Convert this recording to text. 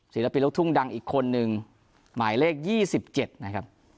ศิลปินลูกทุ่งดังอีกคนนึงหมายเลข๒๗นะครับ